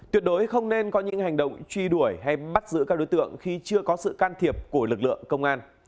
tuyệt đối không nên có những hành động truy đuổi hay bắt giữ các đối tượng khi chưa có sự can thiệp của lực lượng công an